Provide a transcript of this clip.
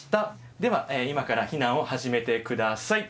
では今から避難を始めて下さい。